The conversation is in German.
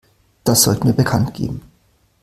Das sollten wir bekanntgeben.